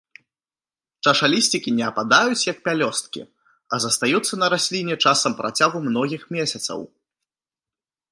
Чашалісцікі не ападаюць, як пялёсткі, а застаюцца на расліне часам на працягу многіх месяцаў.